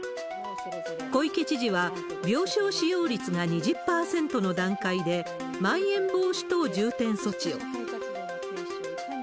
小池知事は、病床使用率が２０％の段階でまん延防止等重点措置を。